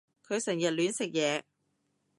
佢成日亂食嘢